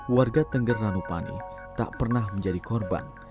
warga tengger ranupani tak pernah menjadi korban